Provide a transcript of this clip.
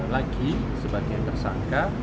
lagi sebagai tersangka